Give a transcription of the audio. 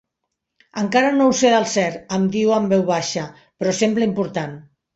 Encara no ho sé del cert —em diu en veu baixa— però sembla important.